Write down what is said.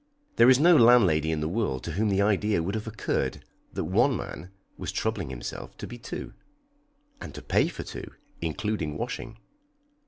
There is no landlady in the world to whom the idea would have occurred that one man was troubling himself to be two (and to pay for two, including washing).